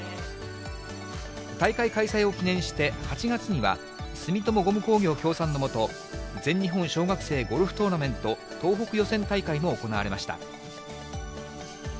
大会開催を記念して８月には、住友ゴム工業協賛の下、全日本小学生ゴルフトーナメント東北予選大会も行われました。